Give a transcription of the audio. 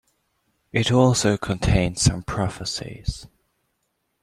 It also contains some prophecies.